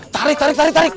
tarik tarik tarik tarik